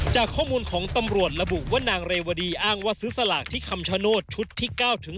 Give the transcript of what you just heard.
จากข้อมูลของตำรวจระบุว่านางเรวดีอ้างว่าซื้อสลากที่คำชโนธชุดที่๙๑